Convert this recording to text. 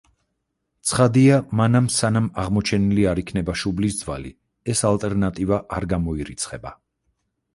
ცხადია, მანამ სანამ აღმოჩენილი არ იქნება შუბლის ძვალი, ეს ალტერნატივა არ გამოირიცხება.